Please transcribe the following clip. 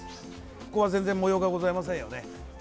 ここは全然模様がございませんね。